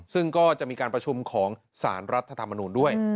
ซึ่งก็จะมีการประชุมของสารรัฐธรรมนูลด้วย